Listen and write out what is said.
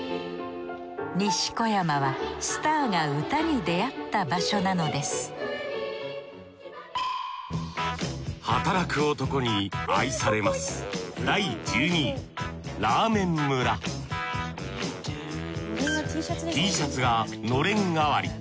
西小山はスターが歌に出会った場所なのです働く男に愛されますＴシャツがのれん代わり。